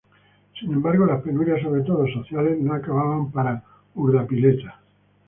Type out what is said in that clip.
Sin embargo, las penurias, sobre todo sociales, no acaban para Urdapilleta.